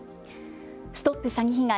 ＳＴＯＰ詐欺被害！